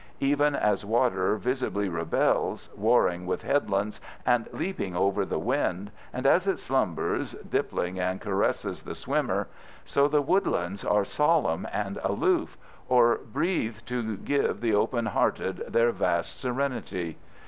Even as water visibly rebels, warring with headlands and leaping after the wind, and as it slumbers dimpling and caresses the swimmer, so the woodlands are solemn and aloof, or breathe to give the open hearted their vast serenity.